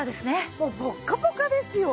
もうポッカポカですよ。